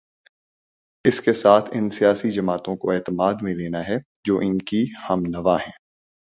اس کے ساتھ ان سیاسی جماعتوں کو اعتماد میں لینا ہے جو ان کی ہم نوا ہیں۔